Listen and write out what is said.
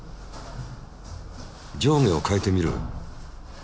上下を変えてみる。